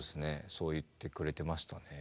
そう言ってくれてましたね。